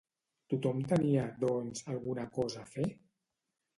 Tothom tenia, doncs, alguna cosa a fer?